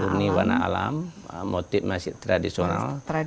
ini warna alam motif masih tradisional